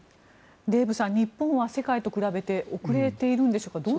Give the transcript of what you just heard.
デーブさん日本は世界と比べて遅れているんでしょうか。